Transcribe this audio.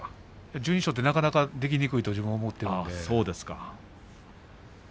１２勝はなかなかできにくいと自分は思っているので。